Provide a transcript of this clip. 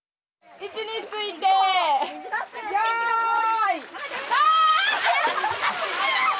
位置についてよいドン！